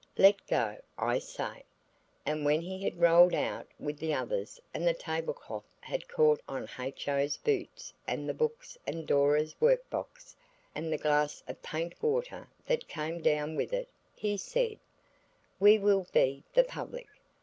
Let go, I say!" And when he had rolled out with the others and the tablecloth that caught on H.O.'s boots and the books and Dora's workbox, and the glass of paint water that came down with it, he said– "We will be the public.